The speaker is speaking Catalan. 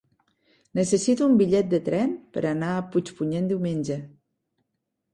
Necessito un bitllet de tren per anar a Puigpunyent diumenge.